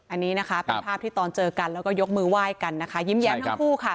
อันนี้นะคะเป็นภาพที่ตอนเจอกันแล้วก็ยกมือไหว้กันนะคะยิ้มแย้มทั้งคู่ค่ะ